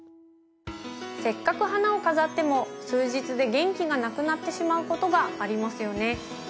せっかく花を飾っても数日で元気がなくなってしまうことがありますよね。